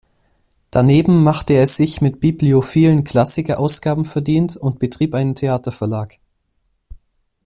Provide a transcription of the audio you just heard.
Daneben machte er sich mit bibliophilen Klassikerausgaben verdient und betrieb einen Theaterverlag.